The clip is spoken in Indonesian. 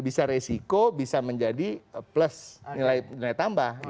bisa resiko bisa menjadi plus nilai tambah